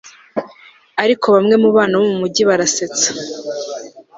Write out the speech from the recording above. ariko bamwe mubana bo mumujyi barasetsa